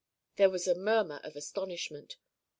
There was a murmur of astonishment.